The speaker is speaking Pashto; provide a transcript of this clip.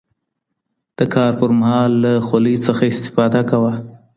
د کار پر مهال له خولۍ څخه استفاده کوه.